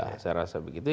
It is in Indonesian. iya saya rasa begitu